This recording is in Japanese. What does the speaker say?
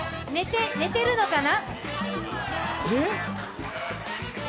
寝てるのかな？